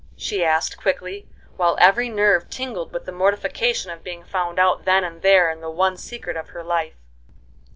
she asked, quickly, while every nerve tingled with the mortification of being found out then and there in the one secret of her life.